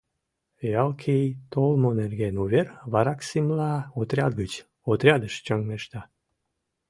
Ялкий толмо нерген увер вараксимла отряд гыч отрядыш чоҥешта.